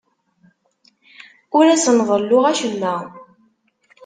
Ur asen-ḍelluɣ acemma.